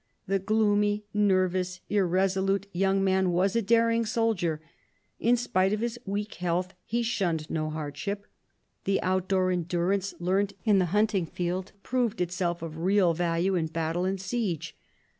The gloomy, nervous, irresolute young man was a daring soldier. In spite of his weak health he shunned no hardship ; the outdoor endurance learnt in the hunting field proved itself of real value in battle and siege.